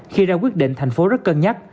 khi ra quyết định thành phố rất cân nhắc